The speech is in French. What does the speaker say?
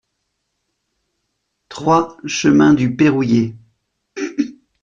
trois chemin du Payrouillé